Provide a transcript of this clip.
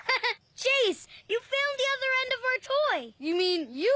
チェイス！